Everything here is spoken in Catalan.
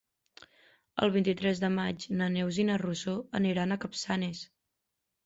El vint-i-tres de maig na Neus i na Rosó aniran a Capçanes.